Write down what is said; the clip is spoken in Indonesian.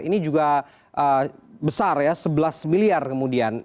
ini juga besar ya sebelas miliar kemudian